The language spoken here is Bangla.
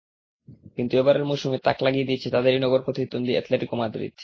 কিন্তু এবারের মৌসুমে তাক লাগিয়ে দিয়েছে তাদেরই নগর প্রতিদ্বন্দ্বী অ্যাটলেটিকো মাদ্রিদ।